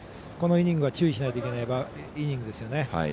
このイニングは注意しなければいけないイニングですよね。